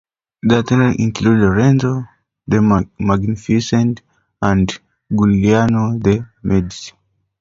Their children include Lorenzo the Magnificent and Giuliano de' Medici.